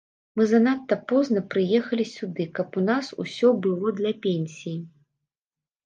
Мы занадта позна прыехалі сюды, каб у нас усё было для пенсіі.